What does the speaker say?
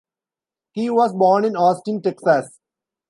Key was born in Austin, Texas.